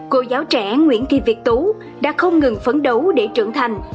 cô giáo trẻ nguyễn thị việt tú đã không ngừng phấn đấu để trưởng thành